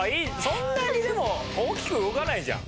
そんなにでも大きく動かないじゃん。